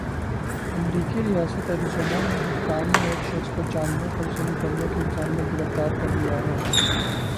امریکی ریاست ایریزونا میں حکام نے ایک شخص کو جانوروں پر ظلم کرنے کے الزام میں گرفتار کرلیا ہے۔